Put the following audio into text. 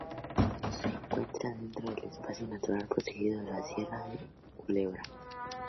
Se encuentra dentro del espacio natural protegido de la Sierra de la Culebra.